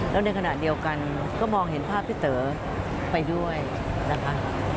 แล้วในขณะเดียวกันก็มองเห็นภาพพี่เต๋อไปด้วยนะคะ